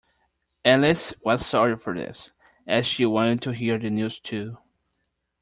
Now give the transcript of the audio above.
Alice was sorry for this, as she wanted to hear the news too.